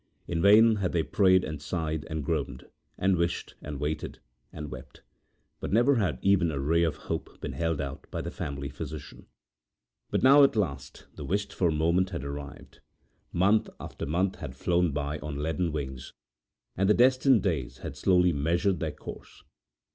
In vain had they prayed, and sighed, and groaned, and wished, and waited, and wept, but never had even a ray of hope been held out by the family physician. But now at last the wished for moment had arrived. Month after month had flown by on leaden wings, and the destined days had slowly measured their course.